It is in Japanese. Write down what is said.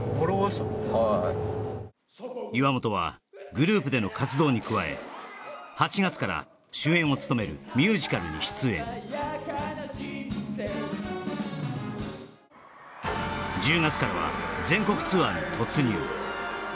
はい岩本はグループでの活動に加え８月から主演を務めるミュージカルに出演１０月からは全国ツアーに突入